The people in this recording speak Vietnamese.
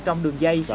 trong đường dây